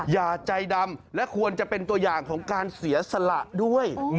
อย่าใจดำและควรจะเป็นตัวอย่างของการเสียสละด้วย